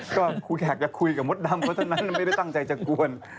ก็แขกจะคุยกับมดดำเพราะฉะนั้นไม่ได้ตั้งใจจะกวน